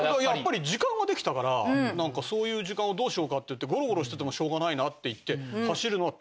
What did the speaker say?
やっぱり時間ができたからなんかそういう時間をどうしようかっていってゴロゴロしててもしょうがないなっていって。